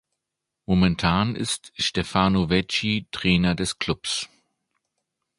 Momentan ist Stefano Vecchi Trainer des Clubs.